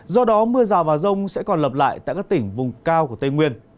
do đó mưa rào và rông sẽ còn lặp lại tại các tỉnh vùng cao của tây nguyên